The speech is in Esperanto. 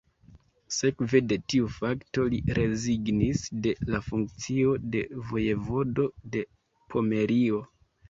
Sekve de tiu fakto li rezignis de la funkcio de Vojevodo de Pomerio.